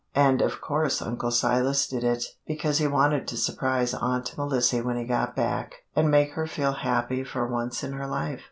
And of course Uncle Silas did it, because he wanted to surprise Aunt Melissy when he got back and make her feel happy for once in her life."